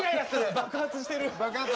爆発してる！